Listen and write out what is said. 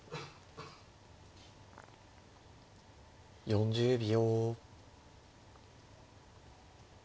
４０秒。